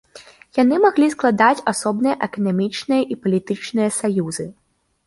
Яны маглі складаць асобныя эканамічныя і палітычныя саюзы.